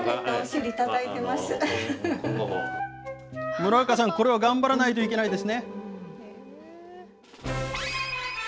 村岡さん、これは頑張らないといけないですね。